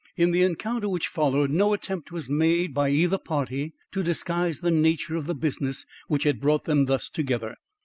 In the encounter which followed no attempt was made by either party to disguise the nature of the business which had brought them thus together.